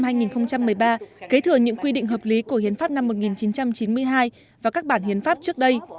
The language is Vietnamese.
hiến pháp năm hai nghìn một mươi ba kế thừa những quy định hợp lý của hiến pháp năm một nghìn chín trăm chín mươi hai và các bản hiến pháp trước đây